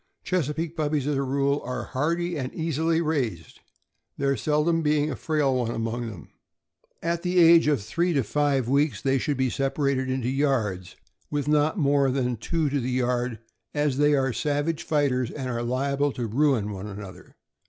Chesapeake puppies, as a rule, are hardy and easily raised, there seldom being a frail one among them. At the age of three to five weeks they should be separated into yards, with not more than two to the yard, as they are savage fighters and are liable to ruin one another.